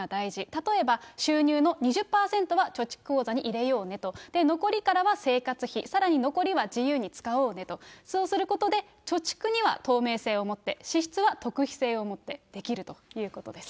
例えば、収入の２０％は貯蓄口座に入れようねと、残りからは生活費、さらに残りは自由に使おうねと、そうすることで、貯蓄には透明性を持って、支出は秘匿性を持ってできるということです。